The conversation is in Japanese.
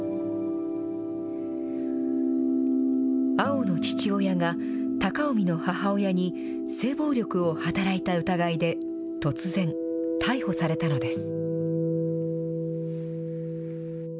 碧の父親が、貴臣の母親に性暴力を働いた疑いで、突然、逮捕されたのです。